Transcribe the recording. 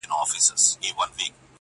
په ړنديانو کي چپک اغا دئ.